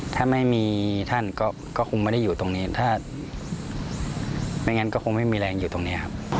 ถ้าไม่มีท่านก็คงไม่ได้อยู่ตรงนี้ถ้าไม่งั้นก็คงไม่มีแรงอยู่ตรงนี้ครับ